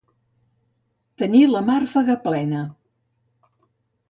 Tenir la màrfega plena.